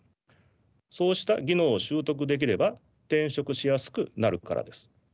そうした技能を習得できれば転職しやすくなるからです。